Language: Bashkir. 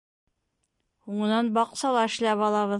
Һуңынан баҡсала эшләп алабыҙ.